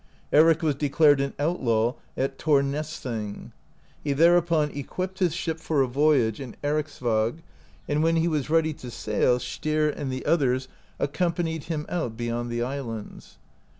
Eric was declared an outlaw at Thorsnessthing. He there upon equipped his ship for a vojrage, in Ericsvag, and when he was ready to sail Styr and the others accom 74 THE STORY OF ERIC THE RED panied him out beyond the islands.